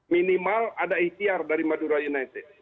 minimal ada ikhtiar dari madura united